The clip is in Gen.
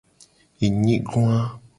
Enyigoa.